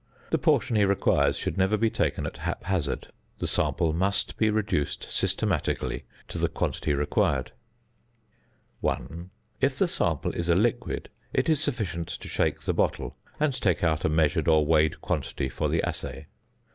The portion he requires should never be taken at hap hazard; the sample must be reduced systematically to the quantity required. 1. If the sample is a liquid: it is sufficient to shake the bottle, and take out a measured or weighed quantity for the assay.